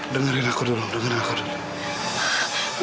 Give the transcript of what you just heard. dengerin aku dulu dengerin akur dulu